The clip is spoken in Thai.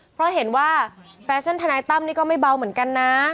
เพราะเห็นว่าแฟชั่นทนายตั้มนี่ก็ไม่เบาเหมือนกันนะ